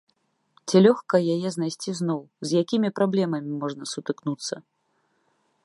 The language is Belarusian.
Ці лёгка яе знайсці зноў, з якімі праблемамі можна сутыкнуцца?